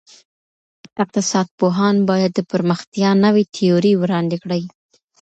اقتصاد پوهان باید د پرمختیا نوي تیورۍ وړاندې کړي.